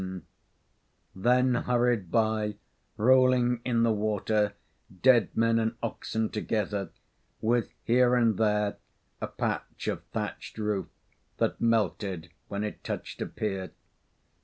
Then hurried by, rolling in the water, dead men and oxen together, with here and there a patch of thatched roof that melted when it touched a pier.